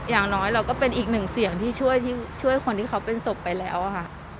อย่างน้อยเราก็เป็นอีกหนึ่งเสียงที่ช่วยคนที่เขาเป็นศพไปแล้วค่ะ